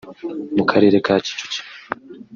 mu karere ka Kicukiro